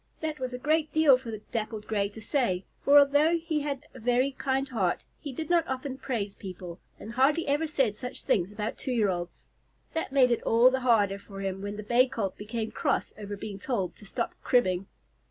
That was a great deal for the Dappled Gray to say, for although he had a very kind heart, he did not often praise people, and hardly ever said such things about two year olds. That made it all the harder for him when the Bay Colt became cross over being told to stop cribbing.